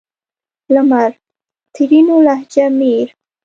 لمر؛ ترينو لهجه مير